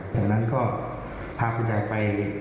จากนั้นก็พาคุณยายไป